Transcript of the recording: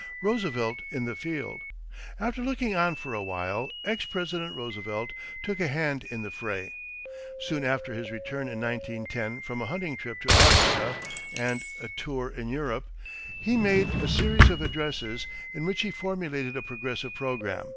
=Roosevelt in the Field.= After looking on for a while, ex President Roosevelt took a hand in the fray. Soon after his return in 1910 from a hunting trip in Africa and a tour in Europe, he made a series of addresses in which he formulated a progressive program.